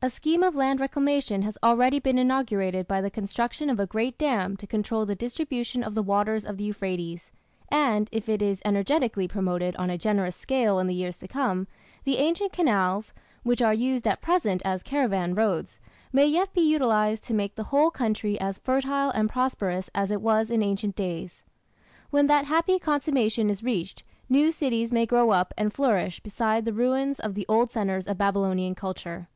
A scheme of land reclamation has already been inaugurated by the construction of a great dam to control the distribution of the waters of the Euphrates, and, if it is energetically promoted on a generous scale in the years to come, the ancient canals, which are used at present as caravan roads, may yet be utilized to make the whole country as fertile and prosperous as it was in ancient days. When that happy consummation is reached, new cities may grow up and flourish beside the ruins of the old centres of Babylonian culture.